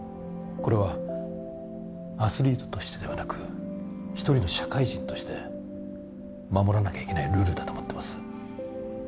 これはアスリートとしてではなく１人の社会人として守らなきゃいけないルールだと思ってます